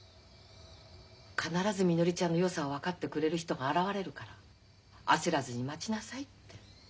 必ずみのりちゃんのよさを分かってくれる人が現れるから焦らずに待ちなさいって。